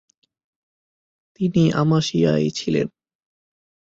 তিনি আমাসিয়ায় ছিলেন।